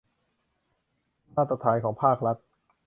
มาตรการของภาครัฐ